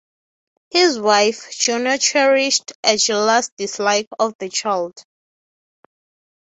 His wife Juno cherished a jealous dislike of the child.